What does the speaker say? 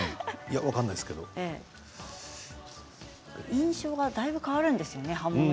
印象がだいぶ変わるんですよね。